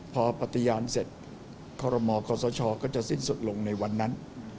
พอปฏิญาณเสร็จคอรมอคอสชก็จะสิ้นสุดลงในวันนั้น